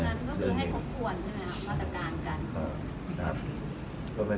เพราะฉะนั้นก็คือให้เขาปว่นนะครับต่างกัน